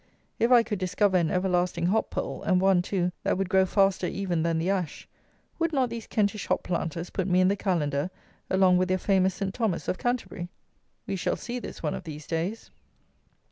If I could discover an everlasting hop pole, and one, too, that would grow faster even than the ash, would not these Kentish hop planters put me in the Kalendar along with their famous Saint Thomas of Canterbury? We shall see this one of these days.